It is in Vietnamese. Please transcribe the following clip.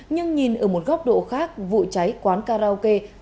nhưng nhìn ở một góc độ khác vụ cháy quán karaoke